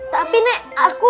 tapi nek aku